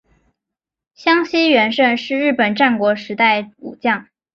香西元盛是日本战国时代武将。